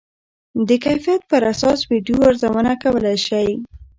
د کیفیت پر اساس ویډیو ارزونه کولی شئ.